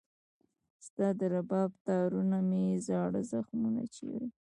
ستا د رباب تارونه مې زاړه زخمونه چېړي